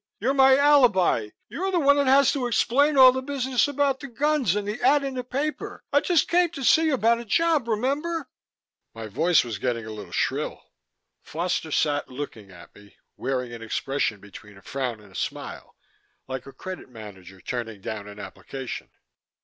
You're my alibi; you're the one that has to explain all the business about the guns and the ad in the paper. I just came to see about a job, remember?" My voice was getting a little shrill. Foster sat looking at me, wearing an expression between a frown and a smile, like a credit manager turning down an application.